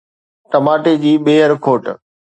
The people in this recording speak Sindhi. ٽماٽي جي ٻيهر کوٽ